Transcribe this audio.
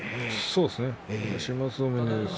そうですね。